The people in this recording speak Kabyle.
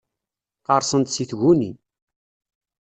Qqerṣent si tguni.